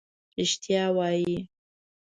رښتیا وایې.